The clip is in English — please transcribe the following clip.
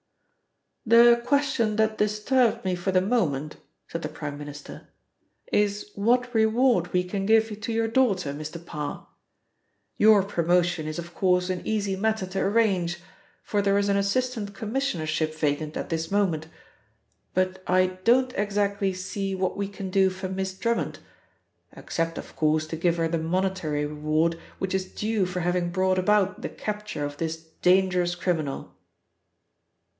"The question that disturbs me for the moment," said the Prime Minister, "is what reward we can give to your daughter, Mr. Parr? Your promotion is of course an easy matter to arrange, for there is an assistant commissionership vacant at this moment; but I don't exactly see what we can do for Miss Drummond, except of course to give her the monetary reward which is due for having brought about the capture of this dangerous criminal."